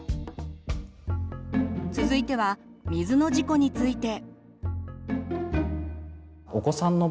続いては水の事故について。